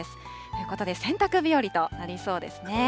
ということで、洗濯日和となりそうですね。